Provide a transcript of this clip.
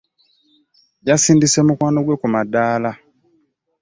Yasindise mukwano gwe ku madaala.